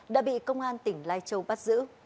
đã bị công an tỉnh lai châu bắt giữ